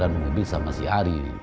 di parkiran mobil sama si arief